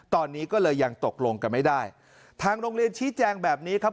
ตอนนี้ก็เลยยังตกลงกันไม่ได้ทางโรงเรียนชี้แจงแบบนี้ครับ